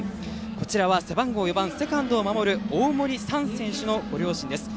こちらは、４番セカンドを守る大森燦選手のご両親です。